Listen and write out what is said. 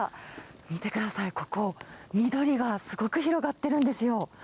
見てください、ここ、緑がすごく広がってるんですよ。